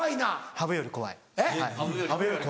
ハブより怖い。